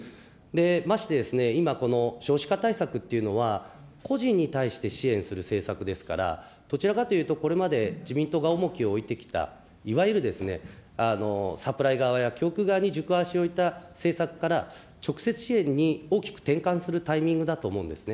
増して今この少子化対策っていうのは、個人に対して支援する政策ですから、どちらかというと、これまで自民党が重きを置いてきた、いわゆるサプライ側や供給側に軸足を置いた政策から、直接支援に大きく転換するタイミングだと思うんですね。